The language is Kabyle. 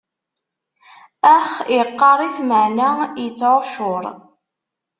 Ax, iqqaṛ-it, meɛna ittɛuccuṛ.